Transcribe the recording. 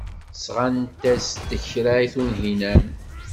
Sɣant-as-d kra i Tunhinan.